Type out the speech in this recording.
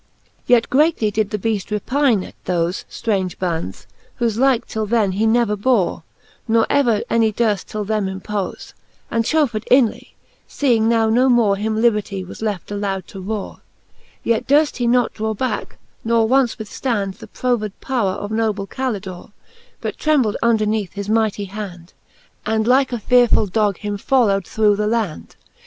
Yet greatly did the Beaft repine at thofe Straunge bands, whofe like till then he never bore, Ne ever any durft till then impofe, And chauffed inly, feeing now no more Him liberty was left aloud to rore : Yet durft he not draw backe ; nor once withftand The proved powre of noble Calidore, But trembled underneath his mighty hand, And like a fearefull dog him followed through the land.